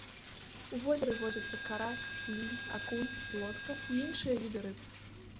У возеры водзяцца карась, лінь, акунь, плотка і іншыя віды рыб.